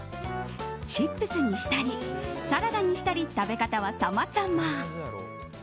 チップスにしたりサラダにしたり食べ方はさまざま。